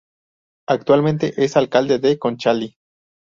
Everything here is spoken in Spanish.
Actualmente es alcalde de Conchalí.